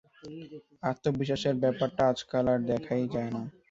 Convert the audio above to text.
আত্মবিশ্বাসের ব্যাপারটা আজকাল আর দেখাই যায় না।